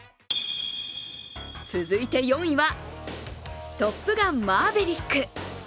続いて４位は「トップガンマーヴェリック」。